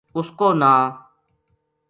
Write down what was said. اس کو ناں